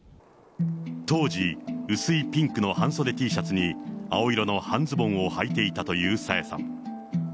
当時、薄いピンクの半袖Ｔシャツに、青色の半ズボンをはいていたという朝芽さん。